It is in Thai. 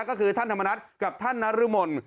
ก็คือท่านธรรมนัฐกับท่านนรมน